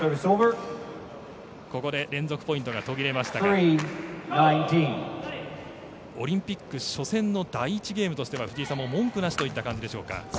ここで連続ポイントが途切れましたがオリンピック初戦の第１ゲームとしては藤井さんも文句なしといった感じでしょうか。